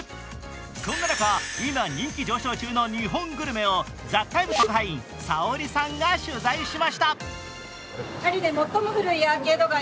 そんな中、今人気上昇中の日本グルメを「ＴＨＥＴＩＭＥ，」特派員、Ｓａｏｒｉさんが取材しました。